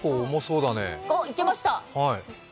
いけました。